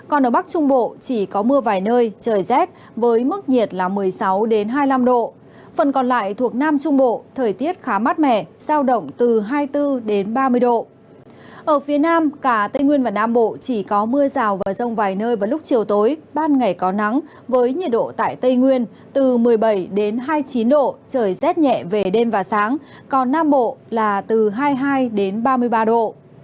ở phía nam cả tây nguyên và nam bộ chỉ có mưa rào và rông vài nơi vào lúc chiều tối ban ngày có nắng với nhiệt độ tại tây nguyên từ một mươi bảy hai mươi chín độ trời rét nhẹ về đêm và sáng còn nam bộ là từ hai mươi hai ba mươi ba độ